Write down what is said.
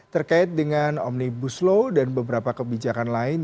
terkait dengan omnibus law dan beberapa kebijakan lain